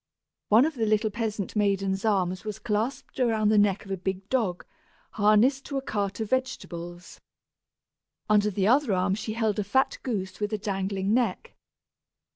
One of the little peasant maiden's arms was clasped around the neck of a big dog, harnessed to a cart of vegetables. Under the other arm she held a fat goose with a dangling neck.